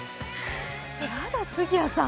やだ、杉谷さん。